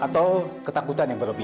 tidak usah peduli